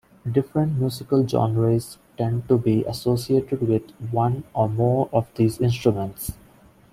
Different musical genres tend to be associated with one or more of these instruments.